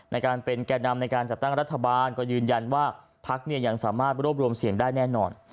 ในการเป็นแก่นำในการจัดตั้งรัฐบาลก็ยืนยันว่าพักเนี่ยยังสามารถรวบรวมเสียงได้แน่นอน